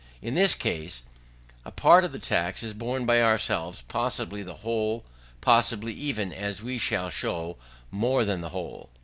In this last case, a part of the tax is borne by ourselves: possibly the whole, possibly even, as we shall show, more than the whole.